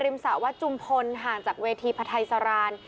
บริเวณริมสาวจุมพลห่างจากเวทีพระทัยสาราน